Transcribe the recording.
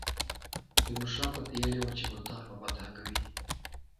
تیمور شاه پتېیلې وه چې ملتان به فتح کوي.